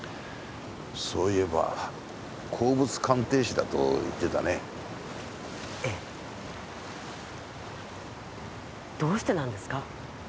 そういえば鉱物鑑定士だと言ってたねええどうしてなんですか？